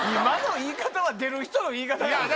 今の言い方は出る人の言い方や。